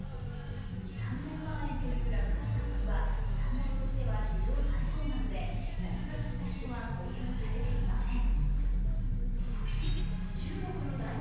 ３０００万円という落札価格はサンダルとしては史上最高額で落札した人は公表されていません。